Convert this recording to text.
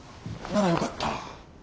ならよかった。